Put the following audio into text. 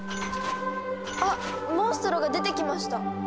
あっモンストロが出てきました。